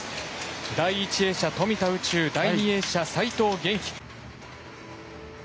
第１泳者、富田宇宙第２泳者、齋藤元希。